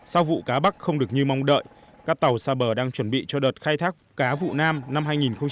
sau vụ cá bắc không được như mong đợi các tàu xa bờ đang chuẩn bị cho đợt khai thác cá vụ nam năm hai nghìn một mươi chín